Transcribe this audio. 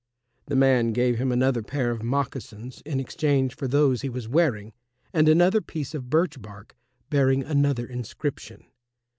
The man gave him another pair of moccasins in exchange for those he was wearing, and another piece of birch bark bearing another inscription.